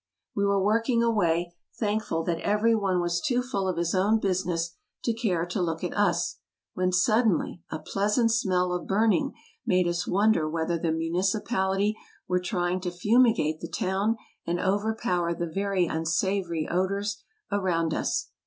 We were working away, thankful that every one was too full of his own business to care to look at us, when sud denly a pleasant smell of burning made us wonder whether the municipality were trying to fumigate the town and over power the very unsavory odors around us.